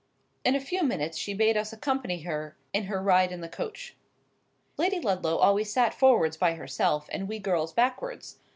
In a few minutes she bade us accompany her in her ride in the coach. Lady Ludlow always sat forwards by herself, and we girls backwards.